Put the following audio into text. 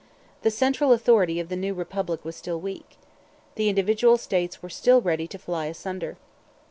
The central authority of the new Republic was still weak. The individual states were still ready to fly asunder.